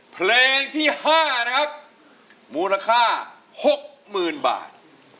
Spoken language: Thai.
เพลงที่ห้านะครับมูลค่าหกหมื่นบาท